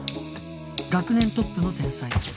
学年トップの天才